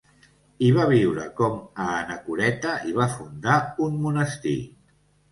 Hi va viure com a anacoreta i va fundar un monestir.